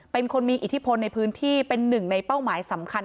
เป็นคนมีอิทธิพลในพื้นที่เป็นหนึ่งในเป้าหมายสำคัญ